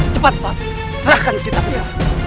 cepat pak serahkan kitabnya